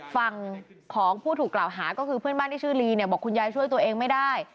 ฝั่งของผู้ถูกกล่าวหาก็คือเพื่อนบ้านที่ชื่อลีเนี่ยบอกคุณยายช่วยตัวเองไม่ได้